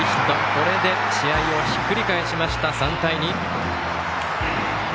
これで試合をひっくり返しました３対２。